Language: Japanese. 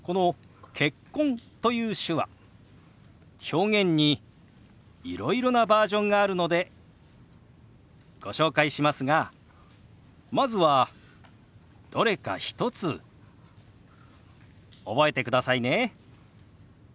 表現にいろいろなバージョンがあるのでご紹介しますがまずはどれか１つ覚えてくださいね。